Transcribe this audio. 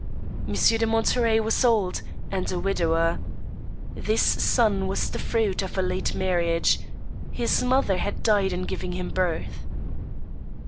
Monsieur de Monterey was old, and a widower. This son was the fruit of a late marriage. His mother had died in giving him birth.